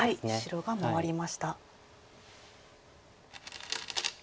白が回りました。